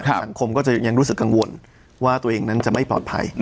สังคมก็จะยังรู้สึกกังวลว่าตัวเองนั้นจะไม่ปลอดภัย